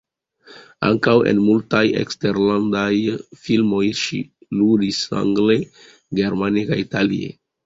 Ankaŭ en multaj eksterlandaj filmoj ŝi ludis, angle, germane kaj itale.